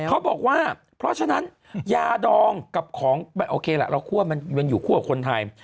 เขาบอกว่าเพราะฉะนั้นยาดองกับของโอเคล่ะเราคั่วมันอยู่คู่กับคนไทย